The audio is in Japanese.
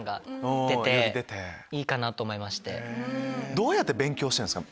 どうやって勉強してるんですか？